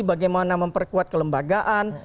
bagaimana memperkuat kelembagaan